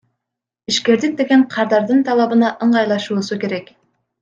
Ишкердик деген кардардын талабына ыңгайлашуусу керек.